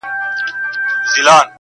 په لوی لاس به ورانوي د ژوندون خونه!.